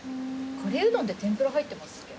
カレーうどんって天ぷら入ってますっけ？